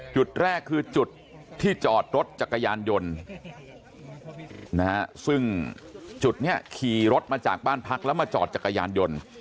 จุดแรกคือจุดที่จอดรถจักรยานยนต์ซึ่งจุดนี้ขี่รถมาจากบ้านพักแล้วมาจอดจักรยานยนต์